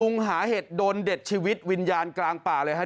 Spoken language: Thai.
หาเห็ดโดนเด็ดชีวิตวิญญาณกลางป่าเลยฮะ